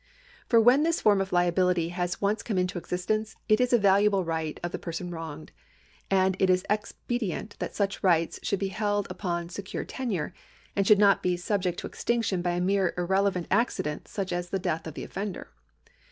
For when this form of liability has once come into existence, it is a valuable right of the person wronged ; and it is expedient that such rights §1U)] LIABILITY (CONTINUED) ;J77 slioiild be hold iijjon a secure tenure, and should not be sub ject to extinction by a more irrelevant accident such as the death of the offender.